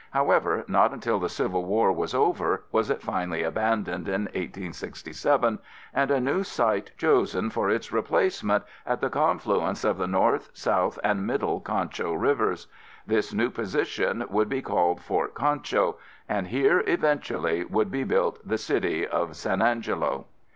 However, not until the Civil War was over was it finally abandoned in 1867 and a new site chosen for its replacement at the confluence of the North, South and Middle Concho Rivers. This new position would be called Fort Concho, and here eventually would be built the city of San Angelo.